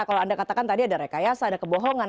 kalau anda katakan tadi ada rekayasa ada kebohongan